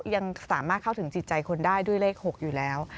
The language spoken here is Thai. ยังสามารถเข้าถึงจิตใจคนได้ด้วยเลข๖อยู่แล้ว